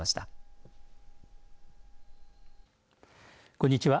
こんにちは。